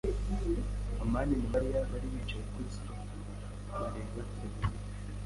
amani na Mariya bari bicaye kuri sofa, bareba televiziyo.